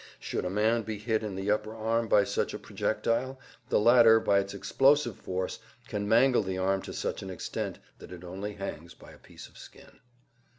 Should a man be hit in the upper arm by such a projectile the latter, by its explosive force, can mangle the arm to such an extent that it only hangs by a piece of skin.